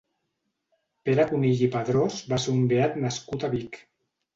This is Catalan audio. Pere Cunill i Padrós va ser un beat nascut a Vic.